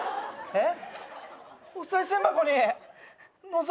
えっ？